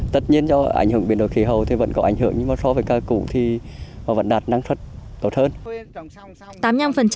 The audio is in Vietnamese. tất nhiên do ảnh hưởng biển đồi khí hầu thì vẫn có ảnh hưởng nhưng mà so với ca củ thì vẫn đạt năng thất tốt hơn